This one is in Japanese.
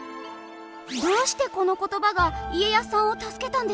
どうしてこの言葉が家康さんを助けたんですか？